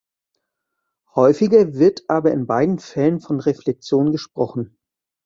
Häufiger wird aber in beiden Fällen von Reflexion gesprochen.